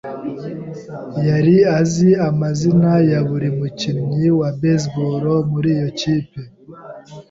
yari azi amazina ya buri mukinnyi wa baseball muri iyo kipe.